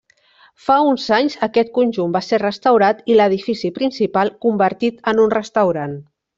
Fa uns anys aquest conjunt va ser restaurat i l'edifici principal convertit en un restaurant.